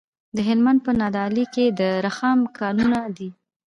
د هلمند په نادعلي کې د رخام کانونه دي.